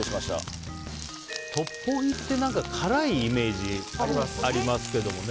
トッポギって辛いイメージありますけどね。